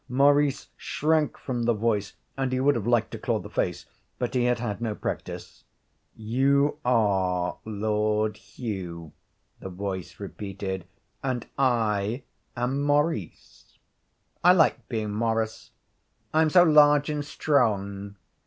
Maurice shrank from the voice, and he would have liked to claw the face, but he had had no practice. 'You are Lord Hugh,' the voice repeated, 'and I am Maurice. I like being Maurice. I am so large and strong.